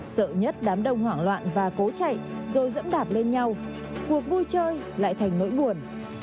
sợ nhất đám đông hoảng loạn và cố chạy rồi dẫm đạp lên nhau cuộc vui chơi lại thành nỗi buồn